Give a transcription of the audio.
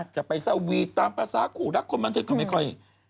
จะไปเซาวีตตามภาษากงามรักคนวันด้วย